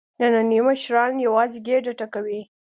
نني مشران یوازې ګېډه ډکوي.